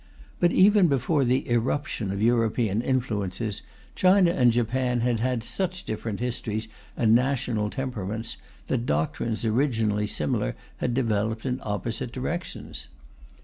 But even before the irruption of European influences, China and Japan had had such different histories and national temperaments that doctrines originally similar had developed in opposite directions.